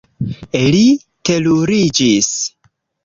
Li teruriĝis.